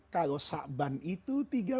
kalau syabban itu tiga puluh